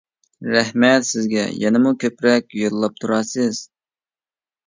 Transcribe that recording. رەھمەت سىزگە يەنىمۇ كۆپرەك يوللاپ تۇرارسىز.